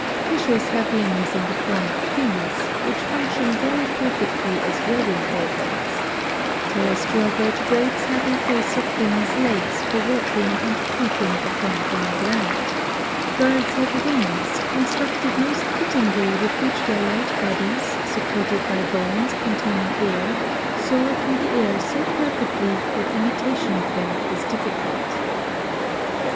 Fishes have limbs in the form of fins, which function very perfectly as rowing organs; terrestrial vertebrates have in place of fins legs for walking and creeping upon dry land ; birds have wings constructed most fittingly with which their light bodies, supported by bones containing air, soar through the air so perfectly that imitation of them is difficult.